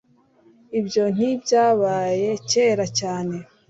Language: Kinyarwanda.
Ibyo ntibyabaye kera cyane